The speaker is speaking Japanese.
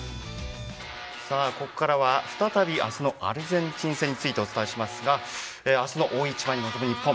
ここからは明日のアルゼンチン戦についてお伝えしますが大一番に臨む日本。